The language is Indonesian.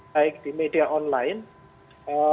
baik di media online